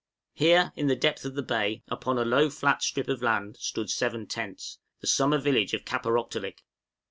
Here, in the depth of the bay, upon a low flat strip of land, stood seven tents, the summer village of Kaparōktolik.